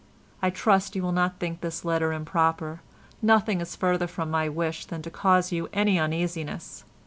I trust you will not think this letter improper; nothing is further from my wish than to cause you any uneasiness.